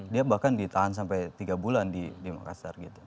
dia bahkan ditahan sampai tiga bulan di makassar gitu